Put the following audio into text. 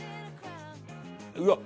うわっ！